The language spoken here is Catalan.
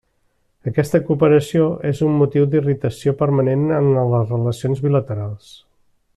Aquesta cooperació és un motiu d'irritació permanent en les relacions bilaterals.